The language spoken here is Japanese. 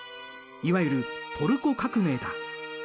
いわゆるトルコ革命だ。